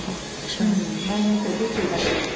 ใช่